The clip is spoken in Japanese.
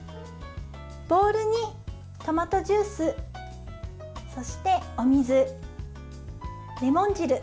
ボウルにトマトジュースそして、お水、レモン汁。